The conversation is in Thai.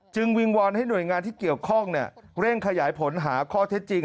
วิงวอนให้หน่วยงานที่เกี่ยวข้องเร่งขยายผลหาข้อเท็จจริง